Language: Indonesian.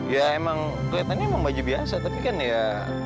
ya emang tuh kayaknya ini emang baju biasa tapi kan ya